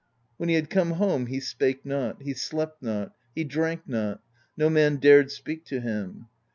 When he had come home, he spake not, he slept not, he drank not; no man dared speak to him.